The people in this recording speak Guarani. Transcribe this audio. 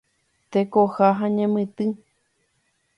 Tekoha ha ñemitỹ.